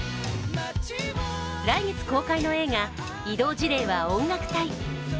来月公開の映画「異動辞令は音楽隊！」。